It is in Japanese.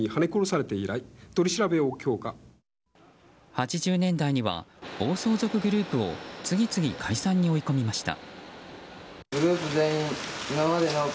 ８０年代には暴走族グループを次々、解散に追い込みました。